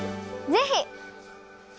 ぜひ！